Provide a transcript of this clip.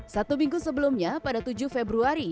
satu minggu sebelumnya pada tujuh februari